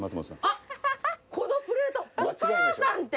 あっこのプレート「お母さん」って。